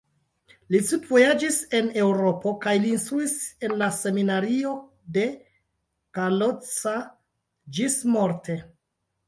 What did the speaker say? Li studvojaĝis en Eŭropo kaj li instruis en la seminario de Kalocsa ĝismorte.